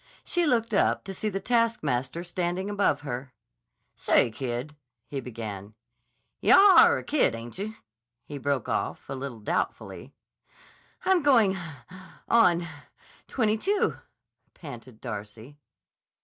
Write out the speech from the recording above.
She looked up to see the taskmaster standing above her. "Say, kid," he began. "Yah are a kid, ainche?" he broke off, a little doubtfully. "I'm going—on—twenty two," panted Darcy.